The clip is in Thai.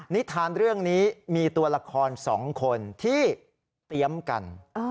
นิทานเรื่องนี้มีตัวละคร๒คนที่เตรียมกัน